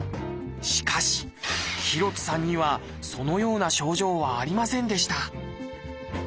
しかし廣津さんにはそのような症状はありませんでした。